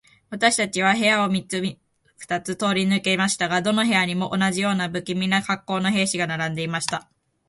私たちは部屋を二つ三つ通り抜けましたが、どの部屋にも、同じような無気味な恰好の兵士が並んでいました。